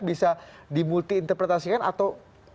bisa dimulti interpretasikan atau